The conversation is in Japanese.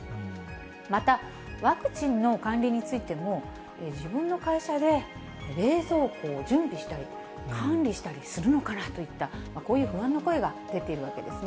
また、ワクチンの管理についても、自分の会社で冷蔵庫を準備したり、管理したりするのかなといった、こういう不安の声が出ているわけですね。